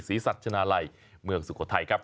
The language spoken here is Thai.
สัชนาลัยเมืองสุโขทัยครับ